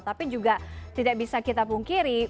tapi juga tidak bisa kita pungkiri